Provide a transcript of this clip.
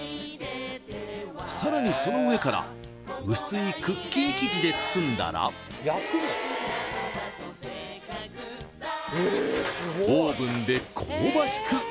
さらにその上から薄いクッキー生地で包んだらオーブンで香ばしく